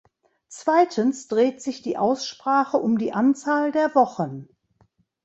Zweitens dreht sich die Aussprache um die Anzahl der Wochen.